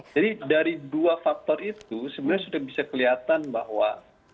jadi dari dua faktor itu sebenarnya sudah bisa kelihatan bahwa